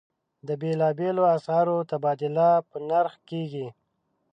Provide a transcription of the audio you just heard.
د بېلابېلو اسعارو تبادله په نرخ کېږي.